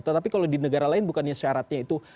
tetapi kalau di negara lain bukannya syaratnya itu